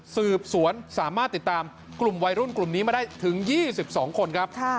สืบสวนสามารถติดตามกลุ่มวัยรุ่นกลุ่มนี้มาได้ถึง๒๒คนครับ